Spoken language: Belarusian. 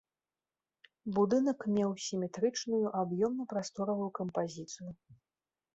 Будынак меў сіметрычную аб'ёмна-прасторавую кампазіцыю.